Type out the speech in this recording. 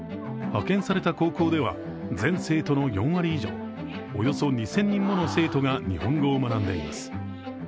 派遣された高校では全生徒の４割以上およそ２０００人もの生徒が日本語を学んでいます。